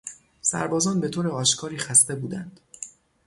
سربازان به طور آشکاری خسته بودند.